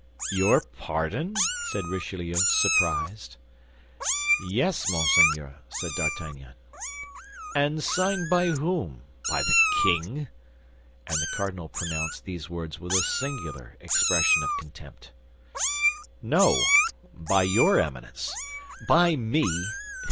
"Your pardon?" said Richelieu, surprised. "Yes, monseigneur," said D'Artagnan. "And signed by whom—by the king?" And the cardinal pronounced these words with a singular expression of contempt. "No, by your Eminence." "By me?